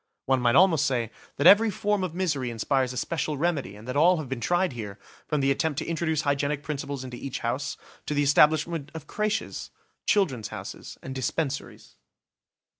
One might almost say that every form of misery inspires a special remedy and that all have been tried here, from the attempt to introduce hygienic principles into each house, to the establishment of crêches, "Children's Houses", and dispensaries.